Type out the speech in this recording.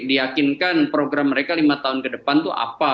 diyakinkan program mereka lima tahun ke depan itu apa